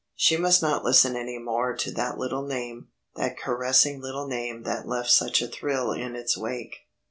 She must not listen any more to that little name, that caressing little name that left such a thrill in its wake.